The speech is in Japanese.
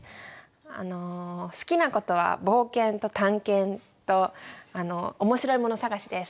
あの好きな事は冒険と探検とあの面白いもの探しです。